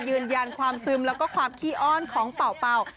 ยืนยันความซึมแล้วก็ความขี้อ้อนของเป่า